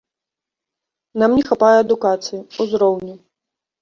Нам не хапае адукацыі, узроўню.